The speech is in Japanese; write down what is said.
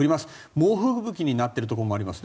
猛吹雪になっているところもありますね。